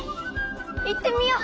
いってみよう。